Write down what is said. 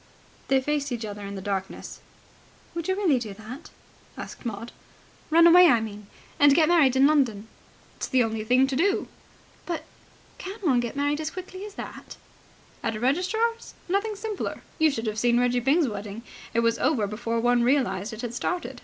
They faced each other in the darkness. "Would you really do that?" asked Maud. "Run away, I mean, and get married in London." "It's the only thing to do." "But ... can one get married as quickly as that?" "At a registrar's? Nothing simpler. You should have seen Reggie Byng's wedding. It was over before one realized it had started.